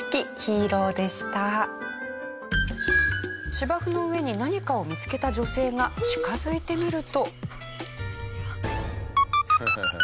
芝生の上に何かを見つけた女性が近づいてみると。